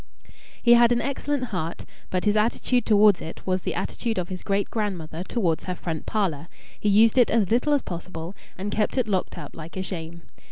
He had an excellent heart, but his attitude towards it was the attitude of his great grandmother towards her front parlour he used it as little as possible, and kept it locked up like a shame.